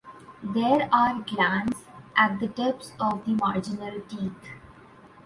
There are glands at the tips of the marginal teeth.